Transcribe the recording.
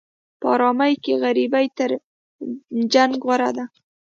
په ارامۍ کې غریبي تر جنګ غوره ده.